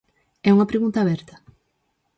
É unha pregunta aberta?